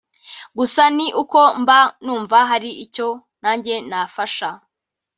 gusa ni uko mba numva hari icyo nanjye nafasha